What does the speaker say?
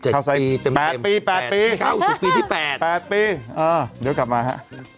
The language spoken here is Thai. ๗ปีเต็ม๘ปี๘ปี๘ปีเดี๋ยวกลับมาฮะ